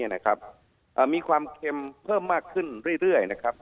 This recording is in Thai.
นะครับมีความเค็มเพิ่มมากขึ้นเรื่อยนะครับ